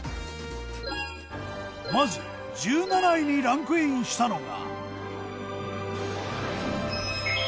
まず１７位にランクインしたのが。